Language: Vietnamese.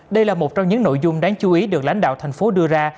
đây là một trong những nội dung đáng chú ý được lãnh đạo thành phố đưa ra